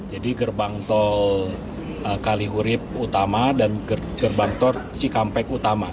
jadi gerbang tol kalihurip utama dan gerbang tol cikampek utama